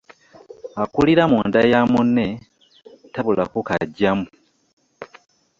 Akulira mu nda ya munne tabulako kaggyamu .